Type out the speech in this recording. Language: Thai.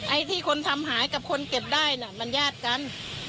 ไอ้ที่คนทำหายกับคนเก็บได้น่ะมันญาติกัน